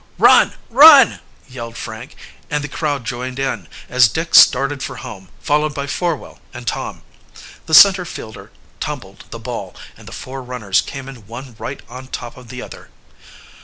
"Run! run!" yelled Frank, and the crowd joined in, as Dick started for home, followed by Forwell and Tom. The center fielder fumbled the ball, and the four runners came in one right on top of the other.